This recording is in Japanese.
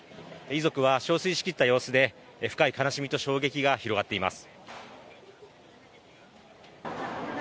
遺族は憔悴しきった様子で深い悲しみと衝撃が広がっています。